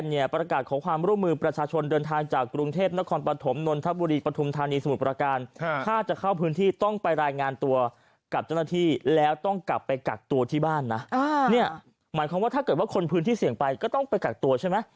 หมายความว่าถ้าเกิดว่าคนพื้นที่เสี่ยงไปก็ต้องไปกักตัวใช่ไหม